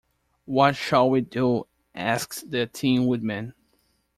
What shall we do? asked the Tin Woodman.